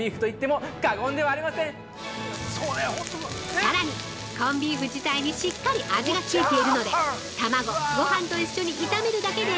◆さらに、コンビーフ自体にしっかり味が付いているので、卵、ごはんと一緒に炒めるだけで